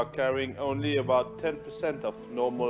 kami mengambil sepuluh persen dari level normal